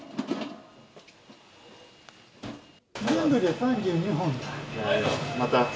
全部で３２本です。